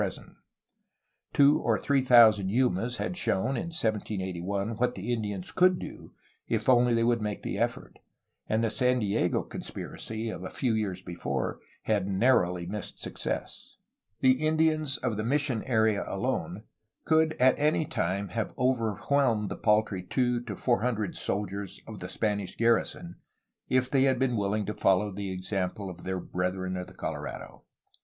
383 384 A HISTORY OF CALIFORNIA Two or three thousand Yumas had shown, in 1781, what the Indians could do, if only they would make the effort, and the San Diego conspiracy of a few years before had narrowly missed success. The Indians of the mission area alone could at any time have overwhelmed the paltry two to four hun dred soldiers of the Spanish garrison if they had been willing to follow the example of their brethren of the Colorado.